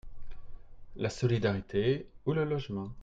La solidarité ou le logement.